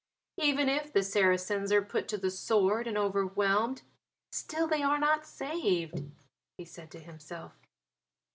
"Even if the Saracens are put to the sword and overwhelmed, still they are not saved," he said to himself.